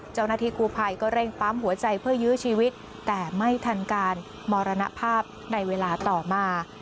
เจ้าหน้าที่กูภัยก็เร่งปั๊มหัวใจเพื่อยื้อชีวิตแต่ไม่ทันการมรณภาพในเวลาต่อมา